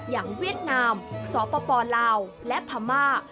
เวียดนามสปลาวและพม่า